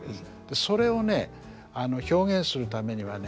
それをね表現するためにはね